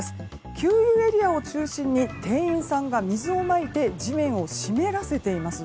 給油エリアを中心に店員さんが水をまいて地面を湿らせています。